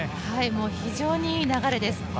非常にいい流れです。